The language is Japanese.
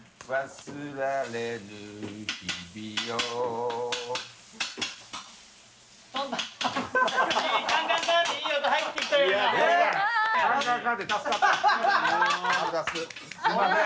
すんません。